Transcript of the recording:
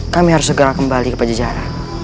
kami harus segera kembali ke pajejara